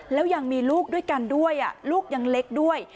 แล้วยังมีลูกด้วยกันด้วยลูกยังเล็กด้วย